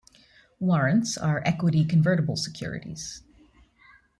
Warrants are equity convertible securities.